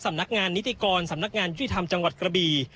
สำนักงานนิติกรสำนักงานยุติธรรมจังหวัดกระบี